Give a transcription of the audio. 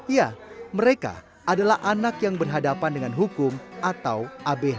ya mereka adalah anak yang berhadapan dengan hukum atau abh